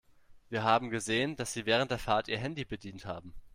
Wir haben gesehen, dass Sie während der Fahrt Ihr Handy bedient haben.